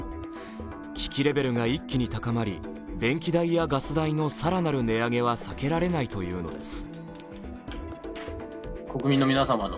危機レベルが一気に高まり電気代やガス代の更なる値上げは避けられないというのです。